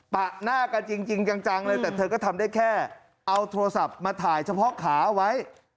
หน้ากันจริงจังเลยแต่เธอก็ทำได้แค่เอาโทรศัพท์มาถ่ายเฉพาะขาเอาไว้